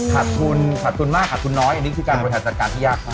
หัสทุนมากหัสทุนน้อยนี่คือการบริหารจัดการที่ยากมาก